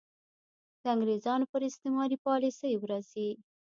د انګرېزانو پر استعماري پالیسۍ ورځي.